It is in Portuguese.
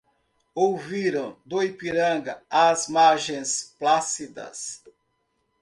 Ouviram do Ipiranga, às margens plácidas